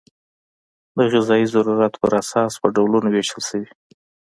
د غذایي ضرورت په اساس په ډولونو وېشل شوي.